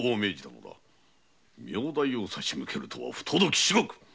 名代を差し向けるとは不届き至極！